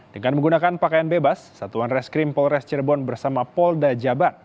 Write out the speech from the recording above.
dengan menggunakan pakaian bebas satuan reskrim polres cirebon bersama polda jabar